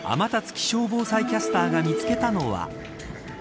気象防災キャスターが見つけたのは。